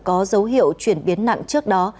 có dấu hiệu chuyển biến nặng trước đó